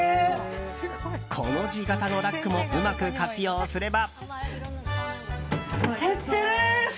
コの字形のラックもうまく活用すれば。